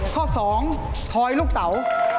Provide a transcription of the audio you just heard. ข้อสองทอยลูกเตา